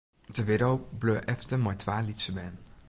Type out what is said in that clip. De widdo bleau efter mei twa lytse bern.